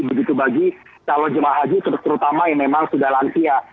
begitu bagi calon jemaah haji terutama yang memang sudah lansia